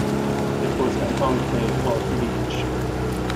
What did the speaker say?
It was an enclave of Liege.